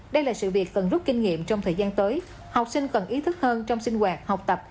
đây là sự việc cần rút kinh nghiệm trong thời gian tới học sinh cần ý thức hơn trong sinh hoạt học tập